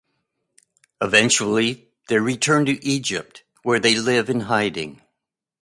Eventually they return to Egypt where they live in hiding.